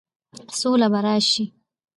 سوله به راشي،